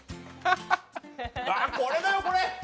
これだよ、これ！